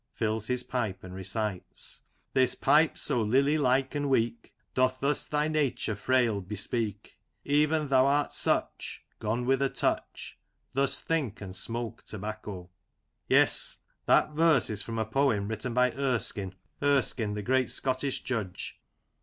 {Fills his pipe and recites) :—" This pipe, so lily like and weak, Doth thus thy nature frail bespeak ; Even thou art such, Gone with a touch, Thus think and smoke tobacco.'* Yes, that verse is from a poem written by Erskine, Erskine the great Scottish judge.